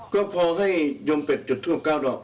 ก็พอให้ยมเป็ดจุดทูป๙ดอก